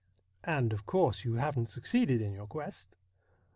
'' And, of course, you haven't succeeded in your quest